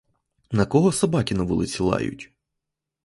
На кого собаки на вулиці лають?